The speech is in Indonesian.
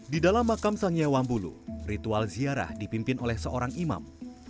di dalam makam sangya wambulu ritual ziarah dipimpin oleh seorang imam